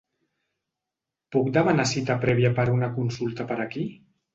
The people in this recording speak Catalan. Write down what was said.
Puc demanar cita prèvia per una consulta per aquí?